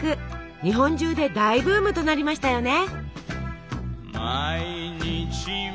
日本中で大ブームとなりましたよね。